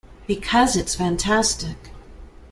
Because it's fantastic.